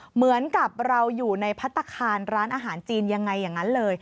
เหมือนกับเราอยู่ในพัฒนาคารร้านอาหารจีนยังไงอย่างนั้นเลย